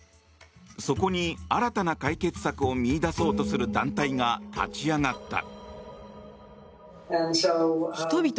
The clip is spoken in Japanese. そこに新たな解決策を見いだそうとする団体が立ち上がった。